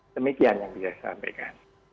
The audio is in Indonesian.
demikian yang bisa saya sampaikan